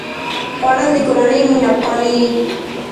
خوړل د کورنۍ مینه پالي